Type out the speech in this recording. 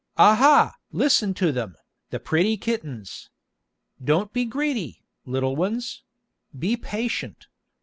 "Aha! listen to them, the pretty kittens. Don't be greedy, little ones—be patient.